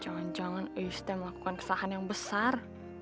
jangan jangan ais teh melakukan kesalahan yang besar